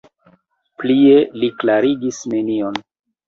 Plie li klarigis nenion.